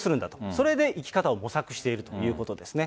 それで生き方を模索しているということですね。